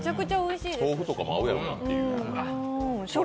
豆腐とかも合うやろうなっていう。